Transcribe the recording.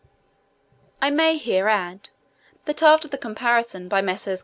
I may here add, that after the comparison by Messrs.